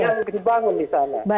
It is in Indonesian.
yang dibangun di sana